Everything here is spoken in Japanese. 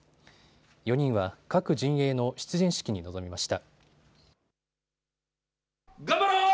４人は各陣営の出陣式に臨みました。